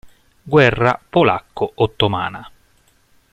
Guerra polacco-ottomana